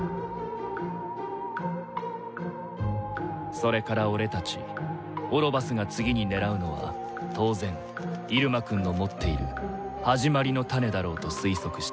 それからオレたちオロバスが次に狙うのは当然イルマくんの持っている「始まりのタネ」だろうと推測した。